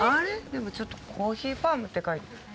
でもちょっとコーヒーファームって書いてある。